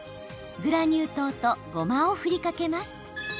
グラニュー糖とごまを振りかけます。